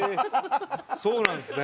そうなんですね。